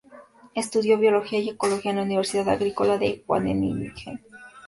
Estudió biología y ecología en la Universidad Agrícola de Wageningen.